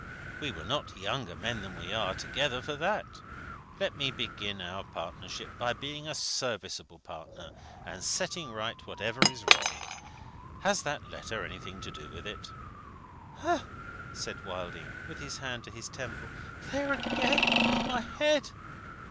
We were not younger men than we are, together, for that. Let me begin our partnership by being a serviceable partner, and setting right whatever is wrong. Has that letter anything to do with it?" "Hah!" said Wilding, with his hand to his temple. "There again! My head!